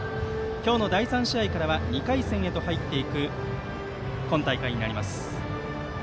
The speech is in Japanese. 今日の第３試合からは２回戦へと入っていく今大会になります。